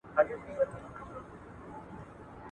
د شنو طوطیانو د کلونو کورګی!